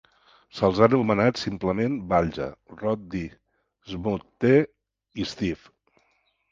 Se'ls ha anomenat simplement Balja, Rod D., Smooth T. i Steve.